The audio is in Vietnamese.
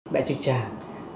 đại trực tràng